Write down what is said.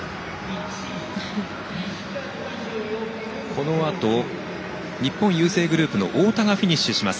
このあと、日本郵政グループの太田がフィニッシュします。